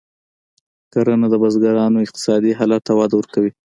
کرنه د بزګرانو اقتصادي حالت ته وده ورکوي.